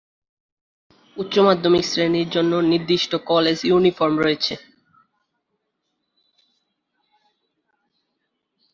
উচ্চ মাধ্যমিক শ্রেণির জন্য নির্দিষ্ট কলেজ ইউনিফর্ম রয়েছে।